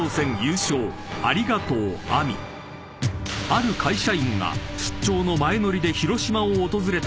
［ある会社員が出張の前乗りで広島を訪れたときの話］